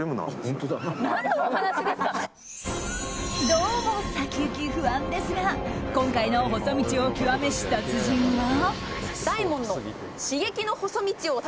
どうも先行き不安ですが今回の細道を極めし達人は。